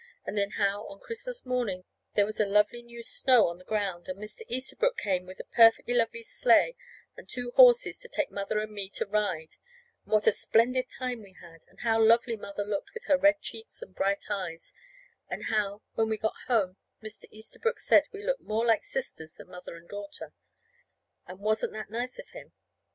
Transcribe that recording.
And then how, on Christmas morning, there was a lovely new snow on the ground, and Mr. Easterbrook came with a perfectly lovely sleigh and two horses to take Mother and me to ride, and what a splendid time we had, and how lovely Mother looked with her red cheeks and bright eyes, and how, when we got home, Mr. Easterbrook said we looked more like sisters than mother and daughter, and wasn't that nice of him.